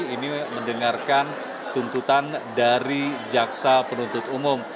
ini mendengarkan tuntutan dari jaksa penuntut umum